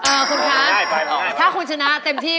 เออคุณคะไม่ถ้าคุณชนะเต็มที่